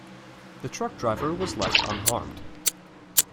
The truck driver was left unharmed.